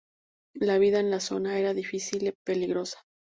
La vida en la zona era difícil y peligrosa.